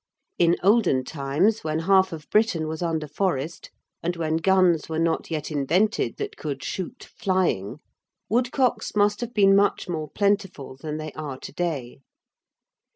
In olden times, when half of Britain was under forest, and when guns were not yet invented that could "shoot flying," woodcocks must have been much more plentiful than they are to day.